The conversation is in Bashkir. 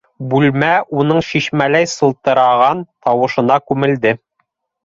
- Бүлмә уның шишмәләй сылтыраған тауышына күмелде.